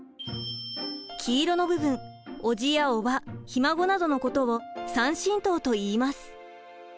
黄色の部分おじやおばひ孫などのことを「３親等」と言います。